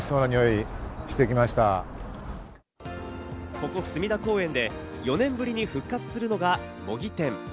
ここ隅田公園で４年ぶりに復活するのが模擬店。